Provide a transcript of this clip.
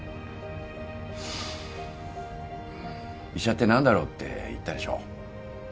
医者って何だろうって言ったでしょ。